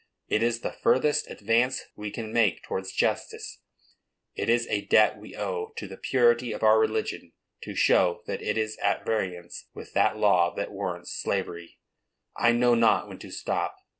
It is the furthest advance we can make towards justice. It is a debt we owe to the purity of our religion, to show that it is at variance with that law which warrants slavery. I know not when to stop.